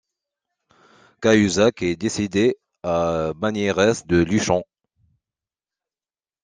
Cahuzac est décédé à Bagnères-de-Luchon.